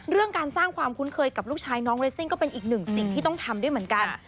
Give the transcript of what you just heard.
เรื่องการสร้างความคุ้นเคยกับลูกชายน้องเรสซิ่งก็เป็นอีกหนึ่งสิ่งที่ต้องทำด้วยเหมือนกัน